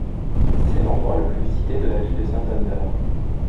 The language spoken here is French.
C'est l'endroit le plus visité de la ville de Santander.